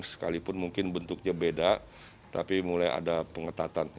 sekalipun mungkin bentuknya beda tapi mulai ada pengetatan